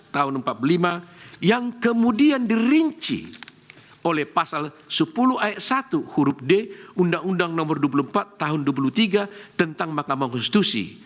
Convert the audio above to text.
tahun seribu sembilan ratus empat puluh lima yang kemudian dirinci oleh pasal sepuluh ayat satu huruf d undang undang nomor dua puluh empat tahun dua ribu tiga tentang mahkamah konstitusi